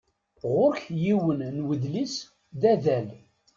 Ɣur-k yiwen n udlis d adal.